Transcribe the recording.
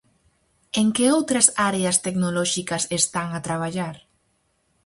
En que outras áreas tecnolóxicas están a traballar?